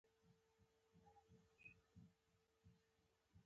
قرآن کریم په منځ کې اچول د شخړې پای وي.